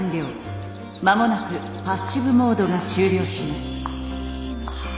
間もなくパッシブモードが終了します」。